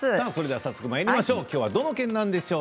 早速いきましょう。